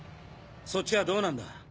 そっちはどうなんだ？